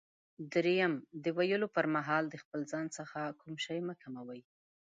دریم: د ویلو پر مهال د خپل ځان څخه کوم شی مه کموئ.